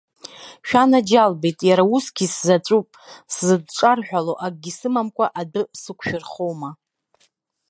Шәанаџьалбеит, иара усгьы сзаҵәуп, сзыдҿарҳәало акгьы сымамкәа адәы сықәшәырхома?